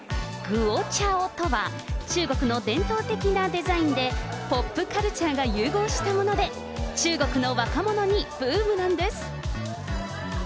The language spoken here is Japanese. グオチャオとは、中国の伝統的なデザインで、ポップカルチャーが融合したもので、中国の若者にブームなんです。